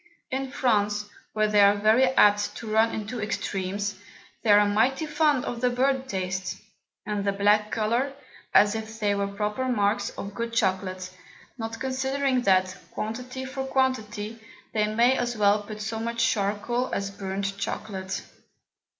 In France, where they are very apt to run into Extremes, they are mighty fond of the burnt Taste, and the black Colour, as if they were proper Marks of good Chocolate, not considering that, Quantity for Quantity, they may as well put so much Charcoal as burnt Chocolate.